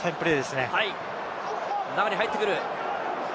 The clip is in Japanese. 中に入ってくる。